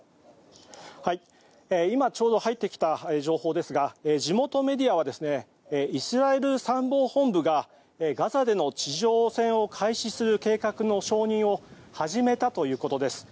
今ちょうど入ってきた情報ですが地元メディアはイスラエル参謀本部がガザでの地上戦を開始する計画の承認を始めたということです。